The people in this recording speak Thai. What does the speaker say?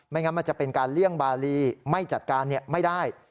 งั้นมันจะเป็นการเลี่ยงบารีไม่จัดการไม่ได้